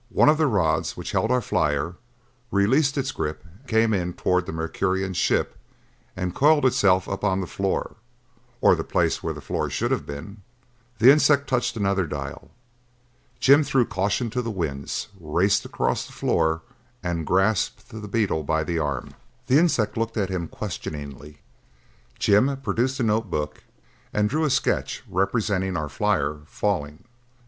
One of the rods which held our flyer released its grip, came in toward the Mercurian ship and coiled itself up on the floor, or the place where the floor should have been. The insect touched another dial. Jim threw caution to the winds, raced across the floor and grasped the beetle by the arm. The insect looked at him questioningly; Jim produced the notebook and drew a sketch representing our flyer falling.